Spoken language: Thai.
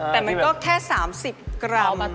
แต่มันก็แค่๓๐กรัม